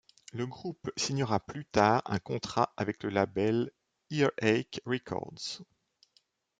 Le groupe signera plus tard un contrat avec le label Earache Records.